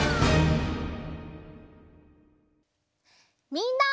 みんな。